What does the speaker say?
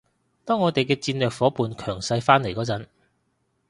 當我哋嘅戰略夥伴強勢返嚟嗰陣